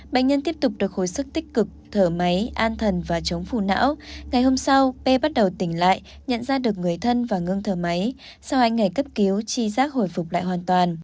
bệnh nhân tiếp tục được hồi sức tích cực thở máy an thần và chống phù não ngày hôm sau p bắt đầu tỉnh lại nhận ra được người thân và ngưng thở máy sau hai ngày cấp cứu chi giác hồi phục lại hoàn toàn